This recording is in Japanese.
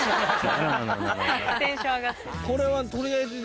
これは取りあえず。